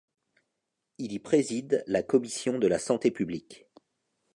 Il y préside la commission de la Santé publique.